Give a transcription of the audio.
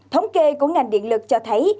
thống kê của ngành điện lực cho thấy